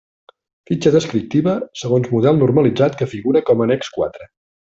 Fitxa descriptiva, segons model normalitzat que figura com a annex quatre.